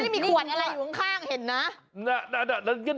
มีขวดอะไรอยู่ข้างเห็นนะ